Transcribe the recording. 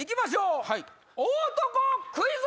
大男クイズ！